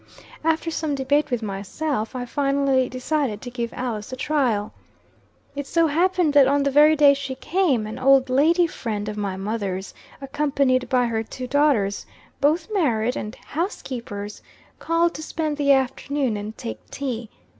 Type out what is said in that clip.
After some debate with myself, I finally decided to give Alice a trial. It so happened that on the very day she came, an old lady friend of my mother's, accompanied by her two daughters, both married and housekeepers, called to spend the afternoon and take tea.